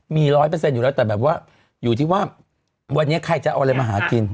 มี๑๐๐อยู่แล้วแต่แบบว่าอยู่ที่ว่าวันนี้ใครจะเอาอะไรมาหากิน